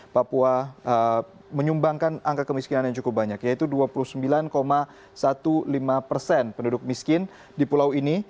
papua menyumbangkan angka kemiskinan yang cukup banyak yaitu dua puluh sembilan lima belas persen penduduk miskin di pulau ini